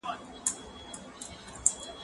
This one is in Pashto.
ته ولي پوښتنه کوې.